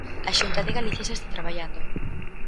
A Xunta de Galicia xa está traballando.